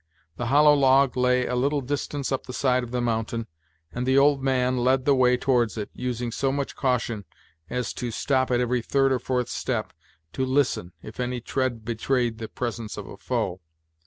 The hollow log lay a little distance up the side of the mountain, and the old man led the way towards it, using so much caution as to stop at every third or fourth step, to listen if any tread betrayed the presence of a foe.